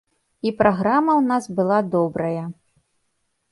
І праграма ў нас была добрая.